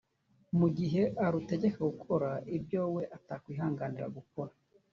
mu gihe arutegeka gukora ibyo we atakwihanganira gukora